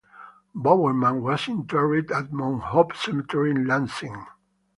Bowerman was interred at Mount Hope Cemetery in Lansing.